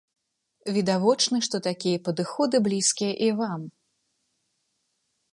Відавочна, што такія падыходы блізкія і вам.